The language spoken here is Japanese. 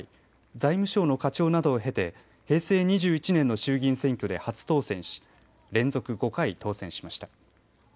財務省の課長などを経て平成２１年の衆議院選挙で初当選し連続５回当選しました。